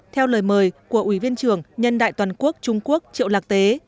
theo lời mời của ủy viên trưởng nhân đại toàn quốc trung quốc triệu lạc tế